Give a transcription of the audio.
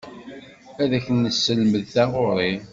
Ad ak-nesselmed taɣuri.